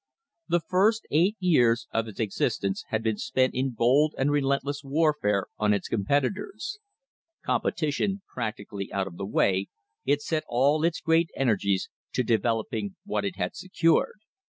The first eight years of its existence had been spent in bold and relentless warfare on its competitors. Competition practically out of the way, it set all its great energies to developing what it had secured.